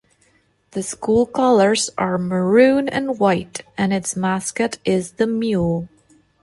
The school colors are maroon and white and its mascot is the mule.